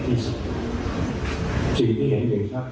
มีสิทธิ์ออกเสียงเลือกนายก